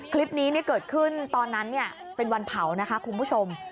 คลิปนี้เกิดขึ้นตอนนั้นเป็นวันเผานะคะคุณผู้ชม